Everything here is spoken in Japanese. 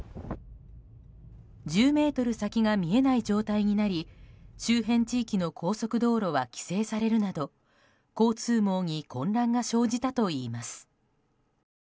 １０ｍ先が見えない状態になり周辺地域の高速道路は規制されるなど交通網に混乱が生じたといいます。